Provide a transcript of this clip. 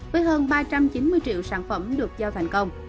với hơn ba trăm chín mươi triệu sản phẩm được giao thành công